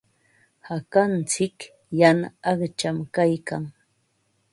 Hakantsik yana aqcham kaykan.